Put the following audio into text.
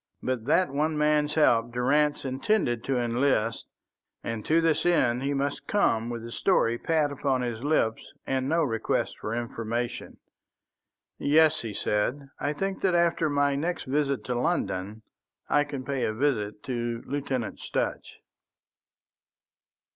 But that one man's help Durrance intended to enlist, and to this end he must come with the story pat upon his lips and no request for information. "Yes," he said, "I think that after my next visit to London I can pay a visit to Lieutenant Sutch."